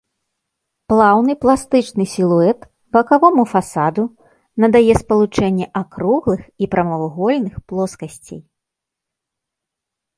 Плаўны пластычны сілуэт бакавому фасаду надае спалучэнне акруглых і прамавугольных плоскасцей.